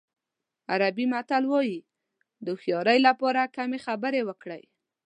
عربي متل وایي د هوښیارۍ لپاره کمې خبرې وکړئ.